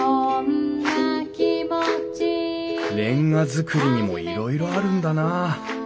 煉瓦造りにもいろいろあるんだな。